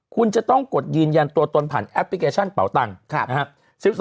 คุณจะต้องกดยืนยันตัวตนผ่านแอปพลิเคชันเป่าตังค์นะครับ